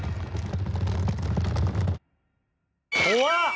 ・怖っ。